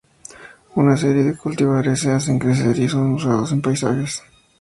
Una serie de cultivares se hacen crecer y son usados en paisajes.